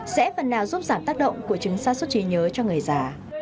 sẽ phần nào giúp giảm tác động của trứng xa suốt trí nhớ cho người già